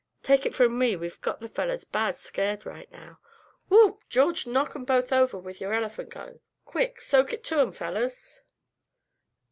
Take it from me we've got the fellers bad scared right now. Whoop! George, knock 'em both over with your elephant gun! Quick! soak it to 'em, fellers!"